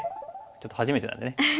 ちょっと初めてなんでね。